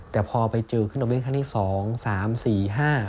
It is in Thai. แต่พอไปเจอขึ้นดอกเบี้ยครั้งนี้๒๓๔๕